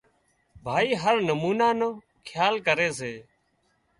ڀائي هر نُمونا نو کيال ڪري سي